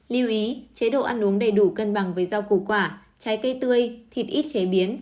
lưu ý chế độ ăn uống đầy đủ cân bằng với rau củ quả trái cây tươi thịt ít chế biến